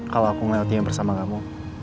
kalau aku ngeliat dia bersama kamu